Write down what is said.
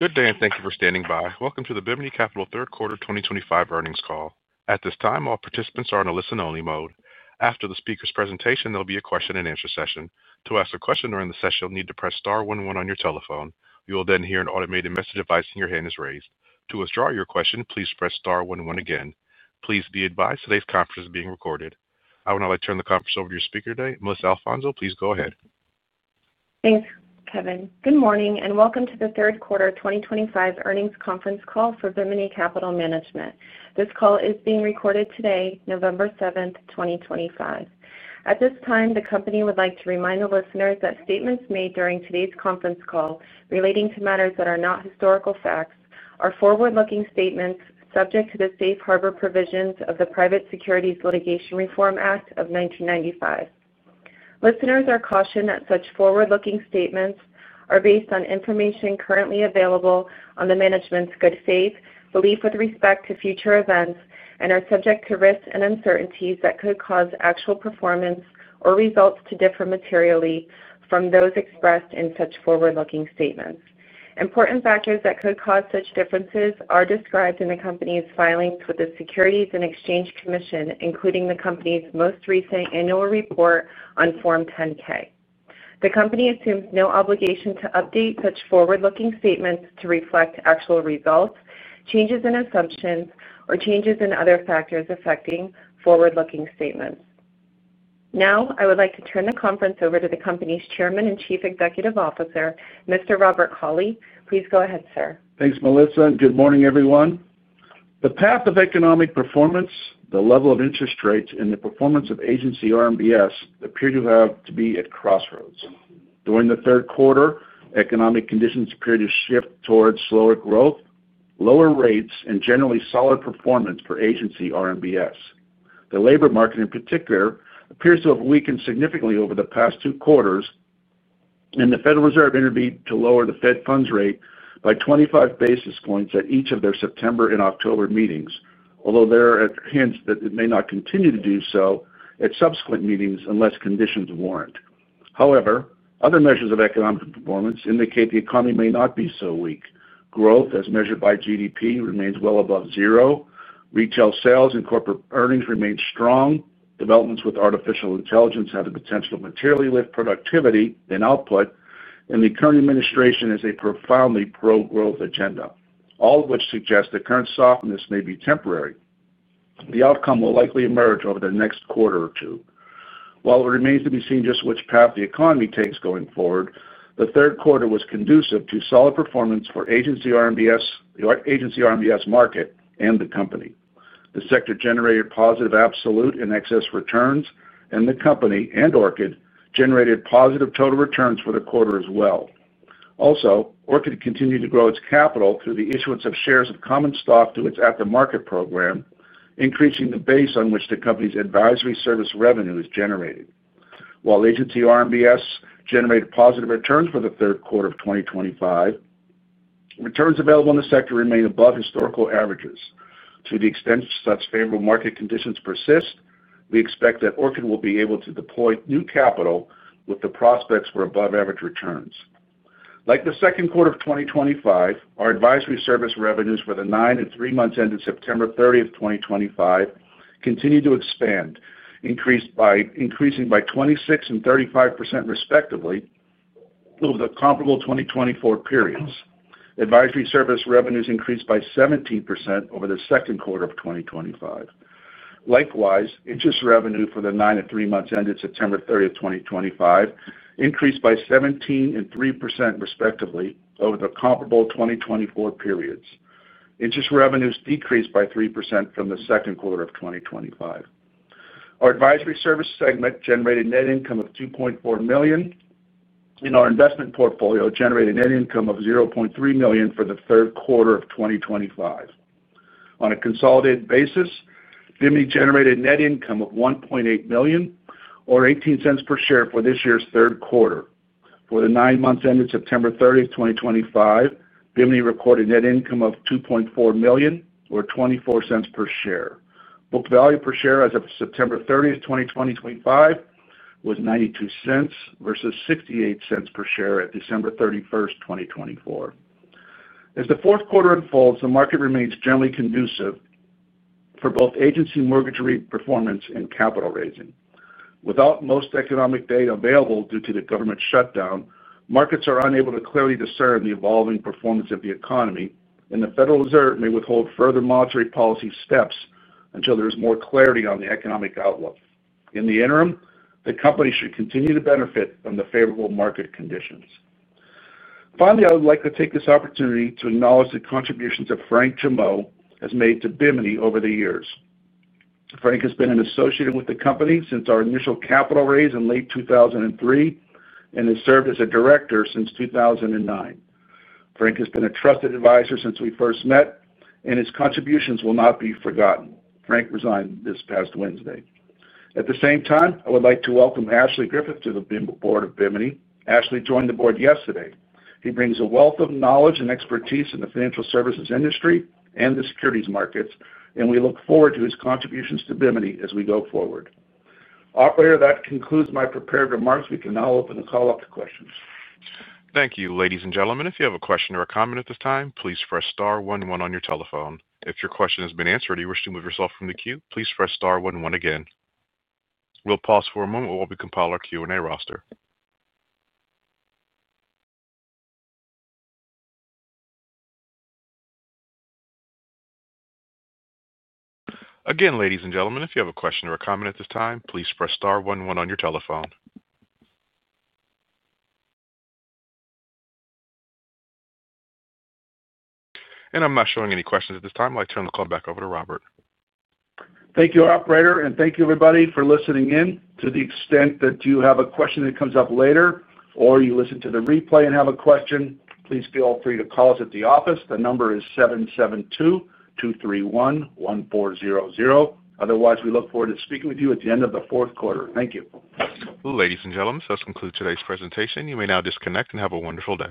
Good day, and thank you for standing by. Welcome to the Bimini Capital Third Quarter 2025 Earnings Call. At this time, all participants are on a listen-only mode. After the speaker's presentation, there'll be a question-and-answer session. To ask a question during the session, you'll need to press star one one on your telephone. You will then hear an automated message advising your hand is raised. To withdraw your question, please press star one one again. Please be advised today's conference is being recorded. I will now turn the conference over to your speaker today, Melissa Alfonzo. Please go ahead. Thanks, Kevin. Good morning, and welcome to the Third Quarter 2025 Earnings Conference Call for Bimini Capital Management. This call is being recorded today, November 7, 2025. At this time, the company would like to remind the listeners that statements made during today's conference call relating to matters that are not historical facts are forward-looking statements subject to the safe harbor provisions of the Private Securities Litigation Reform Act of 1995. Listeners are cautioned that such forward-looking statements are based on information currently available on the management's good faith belief with respect to future events, and are subject to risks and uncertainties that could cause actual performance or results to differ materially from those expressed in such forward-looking statements. Important factors that could cause such differences are described in the company's filings with the Securities and Exchange Commission, including the company's most recent annual report on Form 10-K. The company assumes no obligation to update such forward-looking statements to reflect actual results, changes in assumptions, or changes in other factors affecting forward-looking statements. Now, I would like to turn the conference over to the company's Chairman and Chief Executive Officer, Mr. Robert Cauley. Please go ahead, sir. Thanks, Melissa. Good morning, everyone. The path of economic performance, the level of interest rates, and the performance of Agency RMBS appear to have to be at crossroads. During the third quarter, economic conditions appear to shift towards slower growth, lower rates, and generally solid performance for Agency RMBS. The labor market, in particular, appears to have weakened significantly over the past two quarters, and the Federal Reserve intervened to lower the Fed funds rate by 25 basis points at each of their September and October meetings, although there are hints that it may not continue to do so at subsequent meetings unless conditions warrant. However, other measures of economic performance indicate the economy may not be so weak. Growth, as measured by GDP, remains well above zero. Retail sales and corporate earnings remain strong. Developments with artificial intelligence have the potential to materially lift productivity and output, and the current administration has a profoundly pro-growth agenda, all of which suggests the current softness may be temporary. The outcome will likely emerge over the next quarter or two. While it remains to be seen just which path the economy takes going forward, the third quarter was conducive to solid performance for Agency RMBS market and the company. The sector generated positive absolute and excess returns, and the company and ORCID generated positive total returns for the quarter as well. Also, ORCID continued to grow its capital through the issuance of shares of common stock through its after-market program, increasing the base on which the company's advisory service revenue is generated. While Agency RMBS generated positive returns for the third quarter of 2025, returns available in the sector remain above historical averages. To the extent such favorable market conditions persist, we expect that ORCID will be able to deploy new capital with the prospects for above-average returns. Like the second quarter of 2025, our advisory service revenues for the nine and three months ended September 30, 2025, continue to expand, increasing by 26% and 35% respectively over the comparable 2024 periods. Advisory service revenues increased by 17% over the second quarter of 2025. Likewise, interest revenue for the nine and three months ended September 30, 2025, increased by 17% and 3% respectively over the comparable 2024 periods. Interest revenues decreased by 3% from the second quarter of 2025. Our advisory service segment generated net income of $2.4 million, and our investment portfolio generated net income of $0.3 million for the third quarter of 2025. On a consolidated basis, Bimini generated net income of $1.8 million, or $0.18 per share for this year's third quarter. For the nine months ended September 30, 2025, Bimini recorded net income of $2.4 million, or $0.24 per share. Book value per share as of September 30, 2025, was $0.92 versus $0.68 per share at December 31, 2024. As the fourth quarter unfolds, the market remains generally conducive for both agency mortgage rate performance and capital raising. Without most economic data available due to the government shutdown, markets are unable to clearly discern the evolving performance of the economy, and the Federal Reserve may withhold further monetary policy steps until there is more clarity on the economic outlook. In the interim, the company should continue to benefit from the favorable market conditions. Finally, I would like to take this opportunity to acknowledge the contributions that Frank Jaumot has made to Bimini over the years. Frank has been an associate with the company since our initial capital raise in late 2003 and has served as a director since 2009. Frank has been a trusted advisor since we first met, and his contributions will not be forgotten. Frank resigned this past Wednesday. At the same time, I would like to welcome Ashley Griffith to the board of Bimini. Ashley joined the board yesterday. He brings a wealth of knowledge and expertise in the financial services industry and the securities markets, and we look forward to his contributions to Bimini as we go forward. Operator, that concludes my prepared remarks. We can now open the call up to questions. Thank you, ladies and gentlemen. If you have a question or a comment at this time, please press star one one on your telephone. If your question has been answered or you wish to remove yourself from the queue, please press star one one again. We'll pause for a moment while we compile our Q&A roster. Again, ladies and gentlemen, if you have a question or a comment at this time, please press star one one on your telephone. I am not showing any questions at this time. I'll turn the call back over to Robert. Thank you, Operator, and thank you, everybody, for listening in. To the extent that you have a question that comes up later, or you listen to the replay and have a question, please feel free to call us at the office. The number is 772-231-1400. Otherwise, we look forward to speaking with you at the end of the fourth quarter. Thank you. Ladies and gentlemen, that concludes today's presentation. You may now disconnect and have a wonderful day.